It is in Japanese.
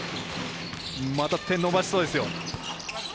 また点を伸ばしそうですよ。